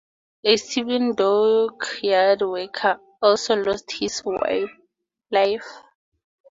A civilian dockyard worker also lost his life.